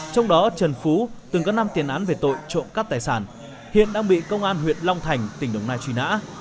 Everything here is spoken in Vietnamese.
trong đó trần phú từng có năm tiền án về tội trộm cắt tài sản hiện đang bị công an huyện long thành tỉnh đồng nai truy nã